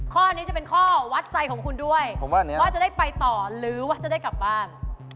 ข้อนี้จะเป็นข้อวัดใจของคุณด้วยว่าจะได้ไปต่อหรือว่าจะได้กลับบ้าน